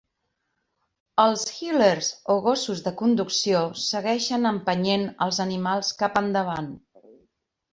Els "heelers" o gossos de conducció segueixen empenyent els animals cap endavant.